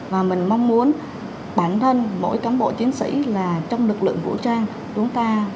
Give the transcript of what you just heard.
và mình mong muốn bản thân mỗi cán bộ chiến sĩ là trong lực lượng vũ trang chúng ta vượt lên chính mình